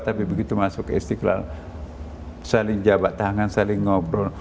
tapi begitu masuk ke istiqlal saling jabak tangan saling ngobrol